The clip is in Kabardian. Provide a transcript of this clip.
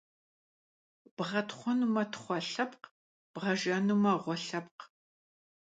Бгъэтхъуэнумэ, тхъуэ лъэпкъ, бгъэжэнумэ, гъуэ лъэпкъ.